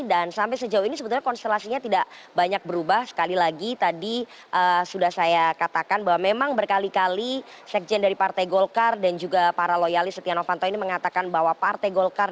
dan sampai sejauh ini sebenarnya konstelasinya tidak banyak berubah sekali lagi tadi sudah saya katakan bahwa memang berkali kali sekjen dari partai golkar dan juga para loyalis stenovanto ini mengatakan bahwa partai golkar